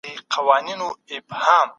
هغه د روڼ اندۍ د عصر فيلسوف و.